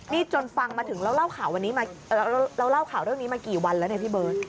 นี่จนฟังมาถึงเราเล่าข่าวเรื่องนี้มากี่วันแล้วพี่เบิร์ด